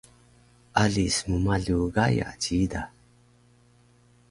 Ali smmalu Gaya ciida